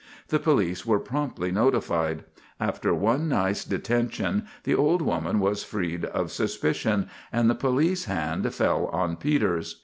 The police were promptly notified. After one night's detention the old woman was freed of suspicion and the police hand fell on Peters.